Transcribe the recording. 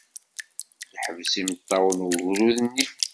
Yeḥbes imeṭṭawen wegrud-nni.